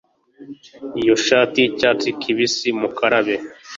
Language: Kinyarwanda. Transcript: Iyo shati yicyatsi kibisi mukarabe